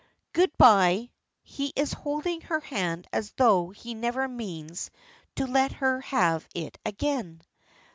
"Good bye." He is holding her hand as though he never means to let her have it again.